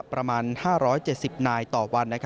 ประมาณ๕๗๐นายต่อวัน